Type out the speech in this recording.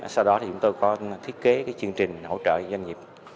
sau đó thì chúng tôi có thiết kế chương trình hỗ trợ doanh nghiệp